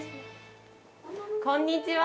こんにちは。